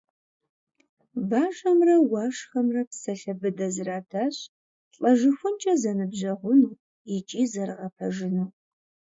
Бажэмрэ Уашхэмрэ псалъэ быдэ зэратащ лӀэжыхункӀэ зэныбжьэгъуну икӀи зэрыгъэпэжыну.